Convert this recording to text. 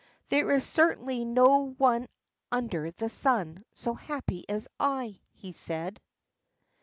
"There is certainly no one under the sun so happy as I," he said.